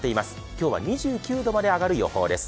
今日は２９度まで上がる予報です。